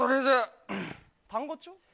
単語帳？